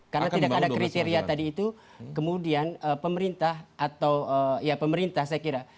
karena tidak ada kriteria tadi itu kemudian pemerintah atau ya pemerintah saya kira